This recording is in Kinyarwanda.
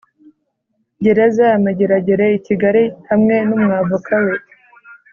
gereza ya Mageragere i Kigali hamwe n’umwavoka we.